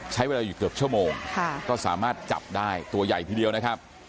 ใช้เวลาอยู่เกือบชั่วโมงก็สามารถจับได้ตัวใหญ่ทีเดียวนะครับ